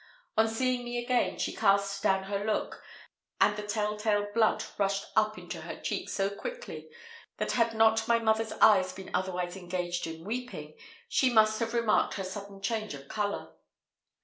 On seeing me again, she cast down her look, and the tell tale blood rushed up into her cheek so quickly, that had not my mother's eyes been otherwise engaged in weeping, she must have remarked her sudden change of colour.